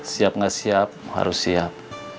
siap nggak siap harus siap